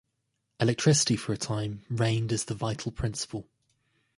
Electricity for a time, reigned as the vital principle.